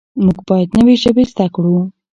موږ باید نوې ژبې زده کړو.